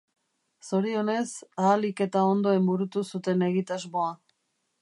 Zorionez, ahalik eta ondoen burutu zuten egitasmoa.